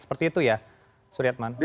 seperti itu ya suriatman